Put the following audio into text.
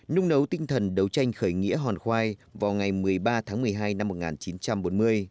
nung nấu tinh thần đấu tranh khởi nghĩa hòn khoai vào ngày một mươi ba tháng một mươi hai năm một nghìn chín trăm bốn mươi